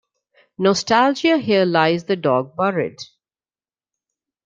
Nostalgia Here lies the dog buried.